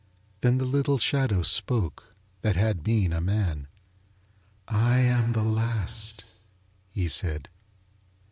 Then the little shadow spoke, that had been a man. "I am the last," he said.